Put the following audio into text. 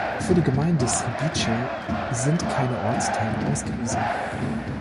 Für die Gemeinde Srbice sind keine Ortsteile ausgewiesen.